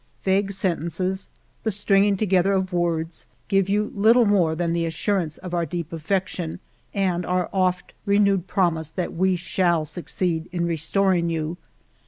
Vague sentences, the stringing together of words, give you little more than the assurance of our deep affection and our oft re newed promise that we shall succeed in restoring you.